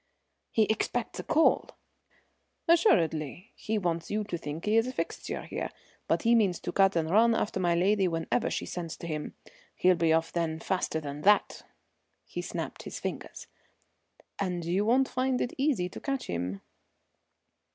"He expects a call?" "Assuredly. He wants you to think he's a fixture here, but he means to cut and run after my lady whenever she sends to him. He'll be off then faster than that," he snapped his fingers, "and you won't find it easy to catch him."